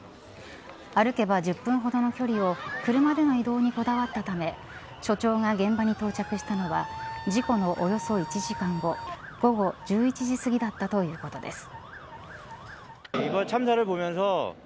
歩けば１０分ほどの距離を車での移動にこだわったため署長が現場に到着したのは事故のおよそ１時間後午後１１時すぎだったということです。